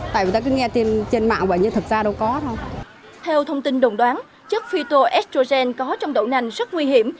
theo thông tin đồng đoán chất phytoestrogen có trong đậu nành rất nguy hiểm